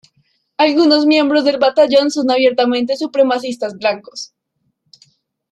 Algunos miembros del batallón son abiertamente supremacistas blancos.